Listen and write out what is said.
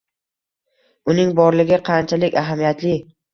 Uning borligi qanchalik ahamiyatli.